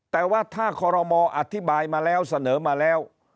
แต่ว่าถ้าคอรมออธิบายมาแล้วเสนอมาแล้ว